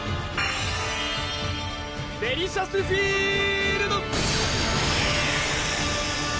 デリシャスフィールド！